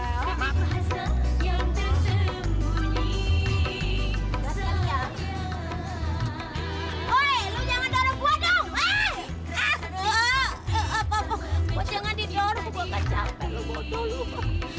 hei lu jangan dorong gua dong